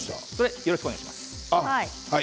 よろしくお願いします。